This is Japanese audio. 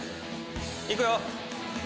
いくよ。